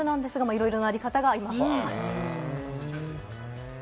いろいろなやり方があるということです。